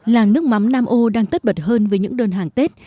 làng nước mắm nam ô đang tất bật hơn với những đơn hàng tết